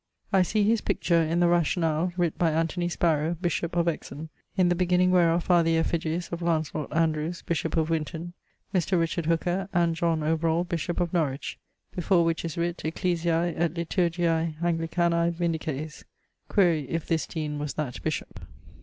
I see his picture in the rationale writt by Sparrow, bishop of Exon, in the beginning wherof are the effigies of L Andrews, bishop of Winton, Mr. Hooker, and John Overall, bishop of Norwich before which is writt Ecclesiae et Liturgiae Anglicanae vindices. Quaere if this deane was that bishop.